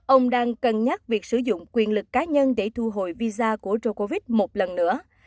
ông đang cân nhắc việc sử dụng quyền lực cá nhân để thu hồi visa của ro covid một lần nữa